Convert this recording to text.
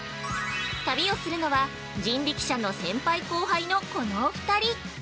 旅をするのは、人力舎の先輩後輩のこのお２人。